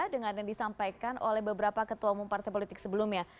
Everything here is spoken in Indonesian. dengan yang disampaikan oleh beberapa ketua umum partai politik sebelumnya